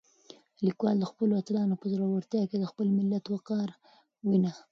لیکوال د خپلو اتلانو په زړورتیا کې د خپل ملت وقار وینه.